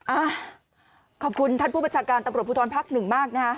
อ่ะขอบคุณท่านผู้บัญชาการตำรวจภูทรภักดิ์หนึ่งมากนะฮะ